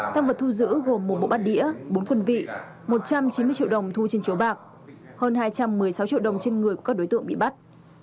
tăng vật thu giữ gồm một bộ bát đĩa bốn quân vị một trăm chín mươi triệu đồng thu trên chiếu bạc hơn hai trăm một mươi sáu triệu đồng trên người của các đối tượng bị bắt